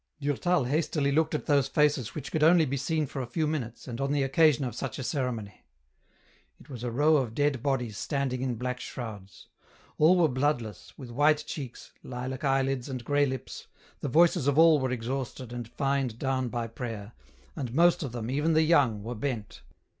Durtal hastily looked at those faces which could only be seen for a few minutes and on the occasion of such a cere mony. It was a row of dead bodies standing in black shrouds. All were bloodless, with white cheeks, lilac eyelids and grey lips, the voices of all were exhausted and fined down by prayer, and most of them, even the young, were bent.